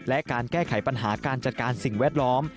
และการแก้ไขปัญหาการจัดการสิ่งแวดล้อม